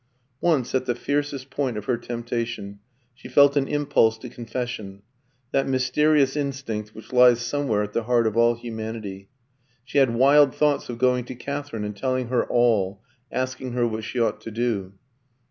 Once, at the fiercest point of her temptation, she felt an impulse to confession that mysterious instinct which lies somewhere at the heart of all humanity; she had wild thoughts of going to Katherine and telling her all, asking her what she ought to do.